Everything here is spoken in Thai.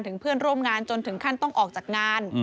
เพื่อนร่วมงานจนถึงขั้นต้องออกจากงาน